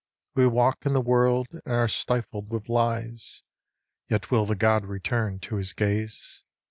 We walk in the world, and are stifled with lies. Yet will the god return to his gaze.